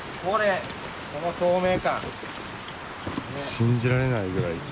信じられないぐらいきれい。